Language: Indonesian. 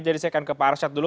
jadi saya akan ke parshat dulu